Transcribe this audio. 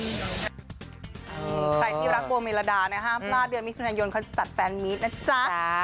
ใครที่รักโบเมลดานะฮะห้ามพลาดเดือนมิถุนายนเขาจะตัดแฟนมีดนะจ๊ะ